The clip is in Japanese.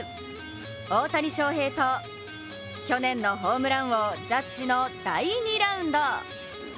大谷翔平と去年のホームラン王・ジャッジの第２ラウンド。